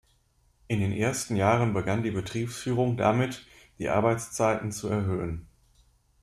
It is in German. In den ersten Jahren begann die Betriebsführung damit, die Arbeitszeiten zu erhöhen.